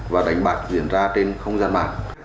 và đánh bạc diễn ra trên không gian mạng